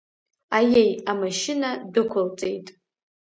Аеи, амашьына дәықәылҵеит.